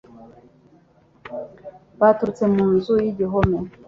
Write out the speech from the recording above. baturutse mu nzu y'igihome